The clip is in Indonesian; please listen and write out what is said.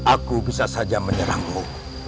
aku bisa saja menyerangmu